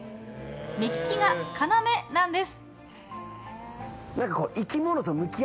目利きが要なんです。